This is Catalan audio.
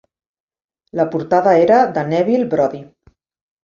La portada era de Neville Brody.